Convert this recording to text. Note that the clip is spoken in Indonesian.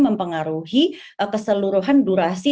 mempengaruhi keseluruhan durasi